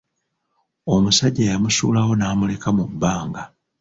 Omusajja yamusuulawo n’amuleka mu bbanga.